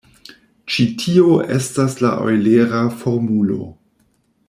Ĉi tio estas la eŭlera formulo.